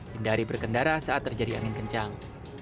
hindari berkendara saat terjadi angin kencang